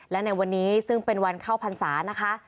และในวันนี้ซึ่งเป็นวันเข้าพรรษานะคะ